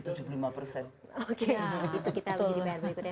oke itu kita mau jadi pengen berikutnya